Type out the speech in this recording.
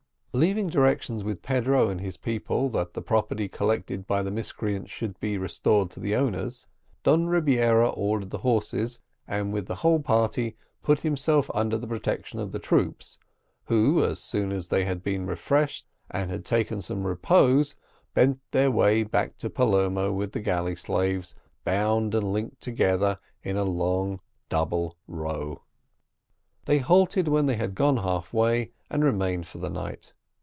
Leaving directions with Pedro and his people, that the property collected by the miscreants should be restored to the owners, Don Rebiera ordered the horses, and with the whole party put himself under the protection of the troops, who, as soon as they had been refreshed, and taken some repose, bent their way back to Palermo with the galley slaves, bound and linked together in a long double row. They halted when they had gone half way, and remained for the night.